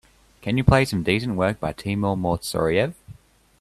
Can you play some decent work by Timour Moutsouraev?